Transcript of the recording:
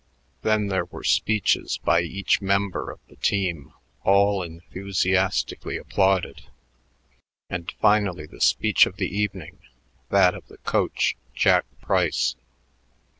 Then there were speeches by each member of the team, all enthusiastically applauded, and finally the speech of the evening, that of the coach, Jack Price.